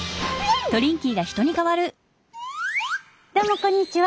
どうもこんにちは。